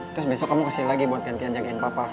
terus besok kamu kasih lagi buat gantian jagain papa